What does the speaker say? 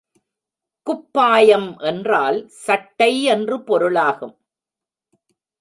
குப்பாயம் என்றால் சட்டை என்று பொருளாகும்.